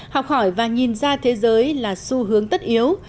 học hỏi và nhìn ra thế giới là xu hướng tất yếu